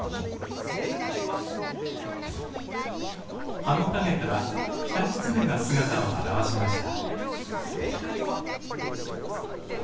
葉の陰からキタキツネが姿を現しました。